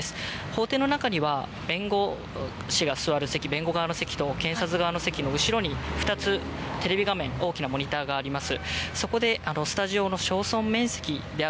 法廷の中には弁護士が座る席、弁護側の席と検察側の席の後ろに２つテレビ画面、大きなモニターがあります。